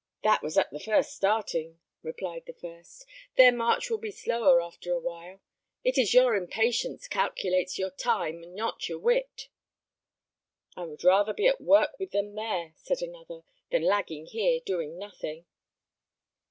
"That was at the first starting," replied the first. "Their march will be slower after a while. It is your impatience calculates your time and not your wit." "I would rather be at work with them there," said another, "than lagging here, doing nothing."